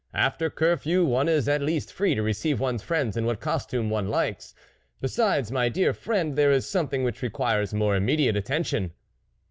"After curfew, one is at least free to receive one's friends in what costume one likes. Besides, my dear friend, there is something which requires more immediate attention."